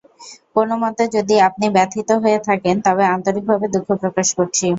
কোনোমতে যদি আপনি ব্যথিত হয়ে থাকেন তবে আন্তরিকভাবে দুঃখ প্রকাশ করছি।